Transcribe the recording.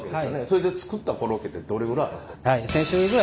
それで作ったコロッケってどれぐらいあるんですか？